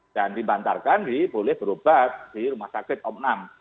dan dibantarkan boleh berobat di rumah sakit omnam